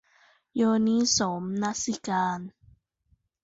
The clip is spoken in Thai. โยนิโสมนสิการ